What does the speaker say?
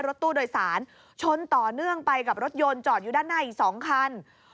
รถตู้โดยสารชนต่อเนื่องไปกับรถยนต์จอดอยู่ด้านหน้าอีก๒คัน